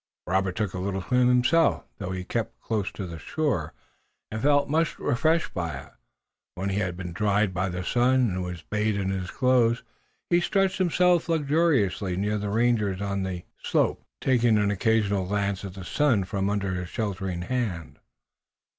Robert took a little swim himself, though he kept close to the shore, and felt much refreshed by it. When he had been dried by the sun and was bade in his clothes, he stretched himself luxuriously near the rangers on the slope, taking an occasional glance at the sun from under his sheltering hand.